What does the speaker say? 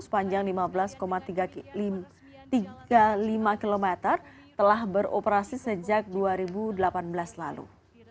sepanjang lima belas tiga puluh lima km telah beroperasi sejak dua ribu delapan belas lalu